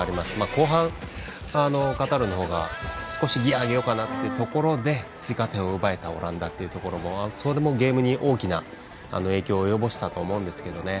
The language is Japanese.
後半、カタールのほうが少しギア上げようかなというところで追加点を奪えたオランダというところもそこでゲームに大きな影響を及ぼしたと思うんですけどね。